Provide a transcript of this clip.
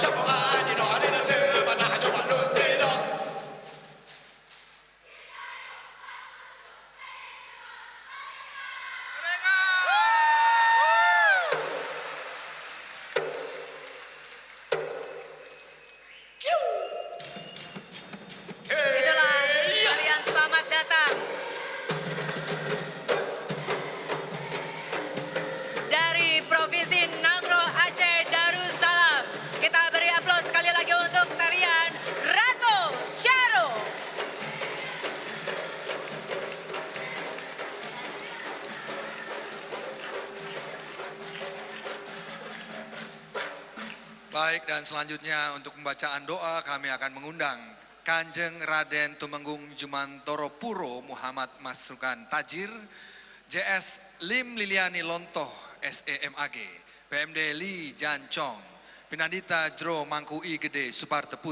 kita beri aplaus sekali lagi untuk tarian ratu ciaro